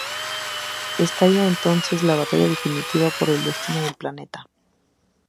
Estalla entonces la batalla definitiva por el destino del planeta.